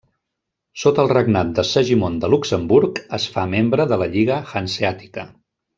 Sota el regnat de Segimon de Luxemburg, es fa membre de la Lliga Hanseàtica.